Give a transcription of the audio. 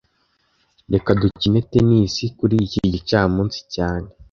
Reka dukine tennis kuri iki gicamunsi cyane